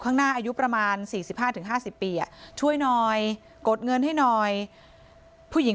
ข้างหน้าอายุประมาณ๔๕๕๐ปีช่วยหน่อยกดเงินให้หน่อยผู้หญิง